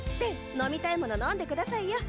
飲みたいもの飲んでくださいよ。